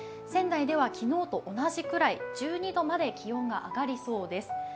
仙台ではきのうと同じくらい１２℃まで気温が上がりそうです。